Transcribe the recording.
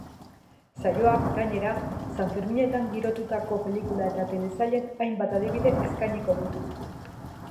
Saioak, gainera, sanferminetan girotutako pelikula eta telesailen hainbat adibide eskainiko ditu.